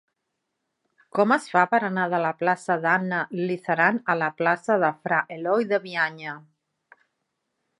Com es fa per anar de la plaça d'Anna Lizaran a la plaça de Fra Eloi de Bianya?